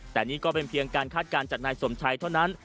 แต่นี่ก็เป็นเพียงการคาดการณ์จากนายสมชัยเท่านั้น